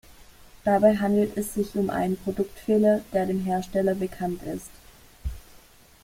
Dabei handelt es sich um einen Produktfehler, der dem Hersteller bekannt ist.